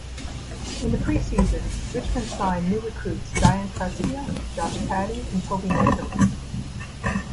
In the preseason Richmond signed new recruits Dion Prestia, Josh Caddy and Toby Nankervis.